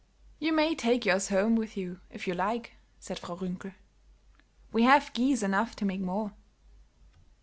"You may take yours home with you, if you like," said Frau Runkel, "we have geese enough to make more."